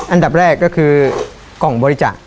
อันดับแรกก็คือกล่องบริจาค